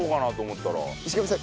石神さん